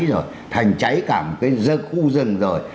rồi thành cháy cả một cái dân khu dân rồi